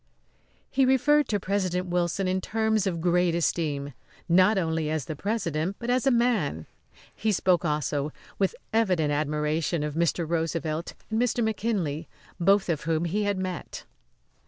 He referred to President Wilson in terms of great esteem not only as the President but as a man. He spoke, also, with evident admiration of Mr. Roosevelt and Mr. McKinley, both of whom he had met.